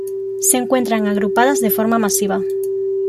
Se encuentran agrupadas de forma masiva.